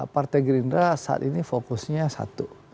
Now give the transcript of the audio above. partai gerindra saat ini fokusnya satu